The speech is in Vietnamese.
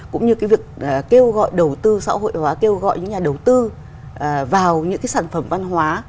cũng như cái việc kêu gọi đầu tư xã hội hóa kêu gọi những nhà đầu tư vào những cái sản phẩm văn hóa